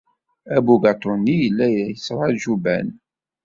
Abugaṭu-nni yella la yettṛaju Ben.